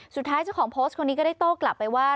เจ้าของโพสต์คนนี้ก็ได้โต้กลับไปว่า